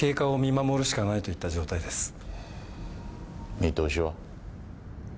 見通しは？